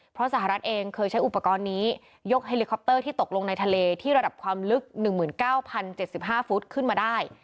เพราะสหรัฐเองเคยใช้อุปกรณ์นี้ยกเฮลิคอปเตอร์ที่ตกลงในทะเลที่ระดับความลึก๑๙๐๗๕ฟุตขึ้นมาได้